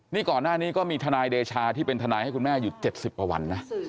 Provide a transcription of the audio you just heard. นี่ก่อนหน้านี้ก็มีทนายเดชาที่เป็นทนายให้คุณแม่อยู่๗๐กว่าวันนะ